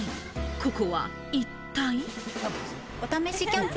ここは一体？